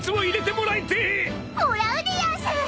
［もらうでやんす！］